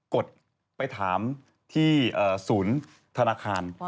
กดไปถามที่สูญธนาคาร